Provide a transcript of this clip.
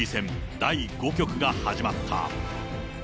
第５局が始まった。